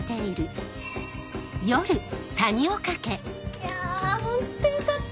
・いやホントよかった！